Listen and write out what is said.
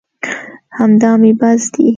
همدا مې بس دي.